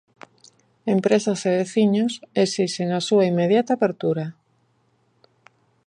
Empresas e veciños esixen a súa inmediata apertura.